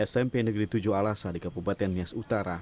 smp negeri tujuh alasa di kabupaten nias utara